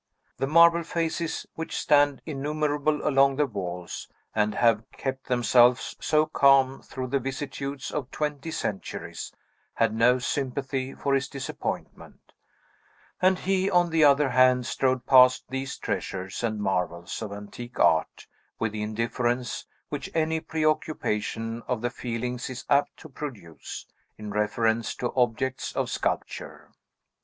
The marble faces, which stand innumerable along the walls, and have kept themselves so calm through the vicissitudes of twenty centuries, had no sympathy for his disappointment; and he, on the other hand, strode past these treasures and marvels of antique art, with the indifference which any preoccupation of the feelings is apt to produce, in reference to objects of sculpture.